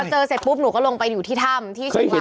พอเจอเสร็จปุ๊บหนูก็ลงไปอยู่ที่ถ้ำที่ชิงวายค่ะ